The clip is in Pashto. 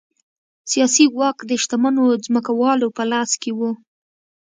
سیاسي واک د شتمنو ځمکوالو په لاس کې و.